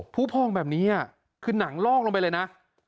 ผู้พองแบบนี้คือหนังลอกลงไปเลยนะ